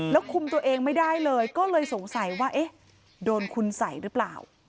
แล้วคุมตัวเองไม่ได้เลยก็เลยสงสัยว่าเอ๊ะโดนคุณใส่หรือเปล่า